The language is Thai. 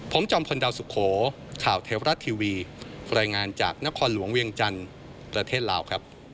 ผมจอมพลดาวสุโขข่าวเทวรัฐทีวีรายงานจากนครหลวงเวียงจันทร์ประเทศลาวครับ